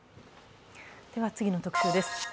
次の特集です。